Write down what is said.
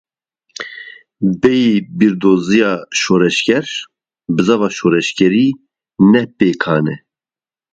Bêyî bîrdoziya şoreşger, bizava şoreşgerî ne pêkan e.